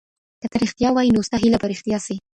که ته رښتیا وایې نو ستا هیله به رښتیا سي.